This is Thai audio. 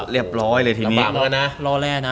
เรียบร้อยเลยทีนี้ระบามกันนะรอแร่นะ